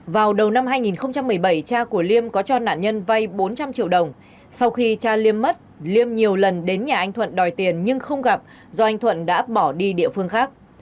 vào đầu năm hai nghìn một mươi bảy cha của liêm có cho nạn nhân vay bốn trăm linh triệu đồng sau khi cha liêm mất liêm nhiều lần đến nhà anh thuận đòi tiền nhưng không gặp do anh thuận đã bỏ đi địa phương khác